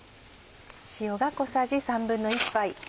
塩が小さじ１／３杯。